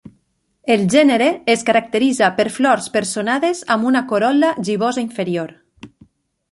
El gènere es caracteritza per flors personades amb una corol·la gibosa inferior.